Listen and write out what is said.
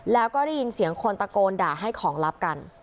แล้วก็ได้ยินเสียงคนตะโกนด่าให้ของลับกัน